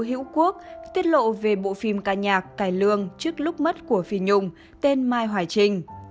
hữu quốc tiết lộ về bộ phim ca nhạc cải lương trước lúc mất của phi nhung tên mai hoài trình